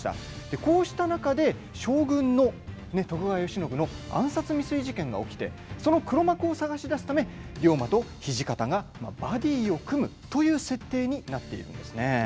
こうした中で将軍の徳川慶喜の暗殺未遂事件が起きてその黒幕を探し出すため龍馬と土方がバディーを組むという設定になっています。